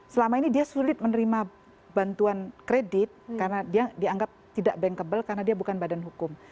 selama ini dia sulit menerima bantuan kredit karena dia dianggap tidak bankable karena dia bukan badan hukum